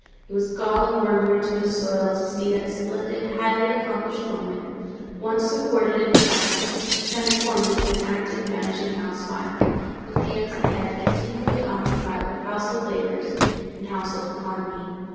It was gall and wormwood to his soul to see that splendid, highly accomplished woman, once so courted and admired, transformed into an active managing housewife, with hands and head continually occupied with household labours and household economy.